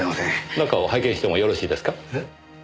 中を拝見してもよろしいですか？